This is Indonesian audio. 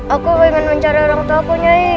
aku ingin mencari orang tuaku nyai